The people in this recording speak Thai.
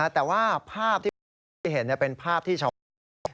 แต่ว่าภาพที่เห็นเป็นภาพที่ชาวนี้